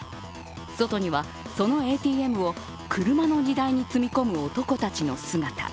外にはそのＡＴＭを車の荷台に積み込む男たちの姿。